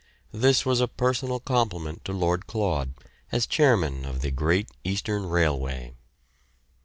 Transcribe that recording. This was a personal compliment to Lord Claud as chairman of the Great Eastern Railway.